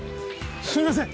すいません！